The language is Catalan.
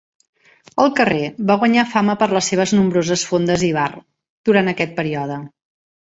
El carrer va guanyar fama per les seves nombroses fondes i bars durant aquest període.